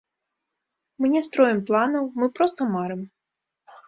Мы не строім планаў, мы проста марым.